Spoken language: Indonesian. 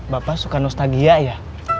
bapak suka nostalgia ya